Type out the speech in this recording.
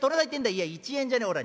「いや１円じゃねえおら